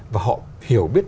và họ hiểu biết